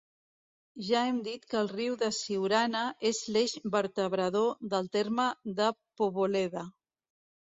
Ja hem dit que el riu de Siurana és l'eix vertebrador del terme de Poboleda.